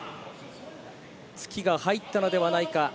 突きが入ったのではないか。